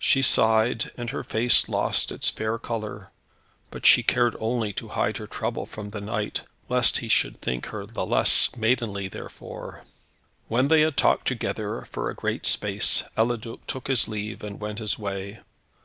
She sighed, and her face lost its fair colour; but she cared only to hide her trouble from the knight, lest he should think her the less maidenly therefore. When they had talked together for a great space, Eliduc took his leave, and went his way.